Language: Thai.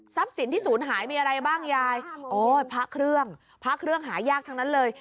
สินที่ศูนย์หายมีอะไรบ้างยายโอ้ยพระเครื่องพระเครื่องหายากทั้งนั้นเลย